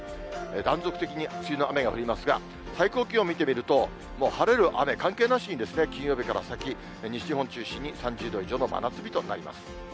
断続的に梅雨の雨が降りますが、最高気温見てみると、晴れる、雨、関係なしに金曜日から先、西日本中心に３０度以上の真夏日となります。